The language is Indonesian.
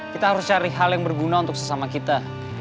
kita harus cari hal yang berguna untuk sesama kita